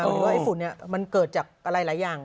หรือว่าไอ้ฝุ่นมันเกิดจากอะไรหลายอย่าง